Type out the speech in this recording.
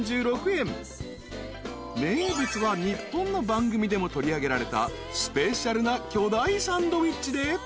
［名物は日本の番組でも取り上げられたスペシャルな巨大サンドイッチで］